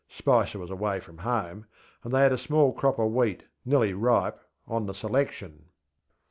Spicer was away from home, and they had a small crop of wheat, nearly ripe, on the selection.